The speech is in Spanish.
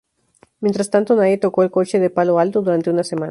Mientras tanto, nadie tocó el coche de Palo Alto durante una semana.